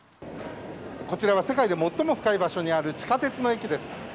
こちらは世界で最も深い場所にある地下鉄の駅です。